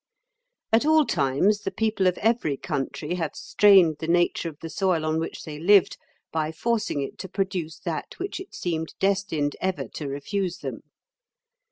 At all times the people of every country have strained the nature of the soil on which they lived by forcing it to produce that which it seemed destined ever to refuse them.